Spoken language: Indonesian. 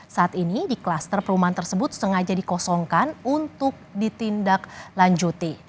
saat ini di klaster perumahan tersebut sengaja dikosongkan untuk ditindak lanjuti